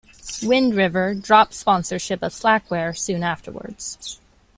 Wind River dropped sponsorship of Slackware soon afterwards.